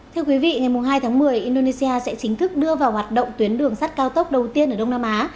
thưa quý vị ngày hai tháng một mươi indonesia sẽ chính thức đưa vào hoạt động tuyến đường sắt cao tốc đầu tiên ở đông nam á